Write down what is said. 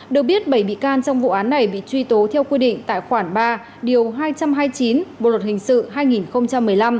được biết bảy bị can trong vụ án này bị truy tố theo quy định tại khoản ba điều hai trăm hai mươi chín bộ luật hình sự hai nghìn một mươi năm